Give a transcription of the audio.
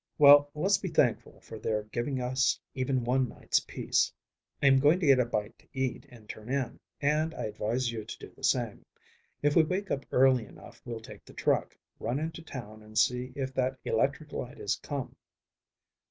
Well, let's be thankful for their giving us even one night's peace. I am going to get a bite to eat and turn in, and I advise you to do the same. If we wake up early enough we'll take the truck, run in to town and see if that electric light has come."